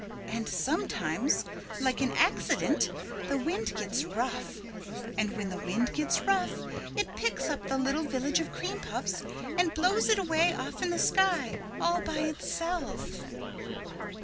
"And sometimes like an accident, the wind gets rough. And when the wind gets rough it picks up the little Village of Cream Puffs and blows it away off in the sky all by itself."